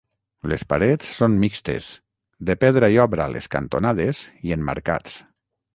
Les parets són mixtes, de pedra i obra a les cantonades i emmarcats.